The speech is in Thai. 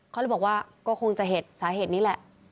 เขาเลยบอกว่าก็คงจะเหตุสาเหตุนี้แหละ